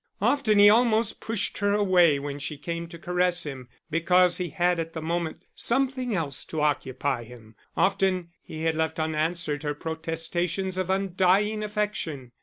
Often he almost pushed her away when she came to caress him because he had at the moment something else to occupy him; often he had left unanswered her protestations of undying affection.